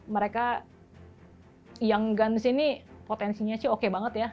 mereka yang guns ini potensinya sih oke banget ya